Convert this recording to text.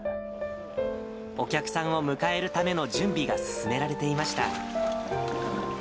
お客さんを迎えるための準備が進められていました。